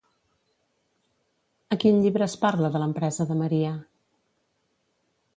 A quin llibre es parla de l'empresa de Maria?